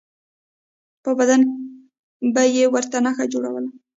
په بدن به یې ورته نښه جوړوله.